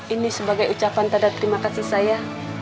ini sebagai ucapan tanda terima kasih saya